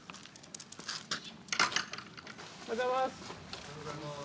おはようございます。